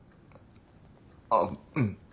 ああうん。